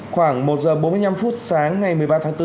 khoảng một giờ bốn mươi năm phút sáng ngày một mươi ba tháng bốn